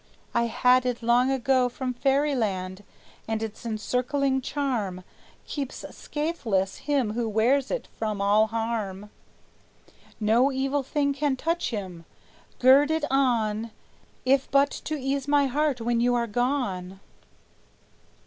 I had it long ago From Fairyland; and its encircling charm Keeps scathless him who wears it from all harm; No evil thing can touch him. Gird it on, If but to ease my heart when you are gone."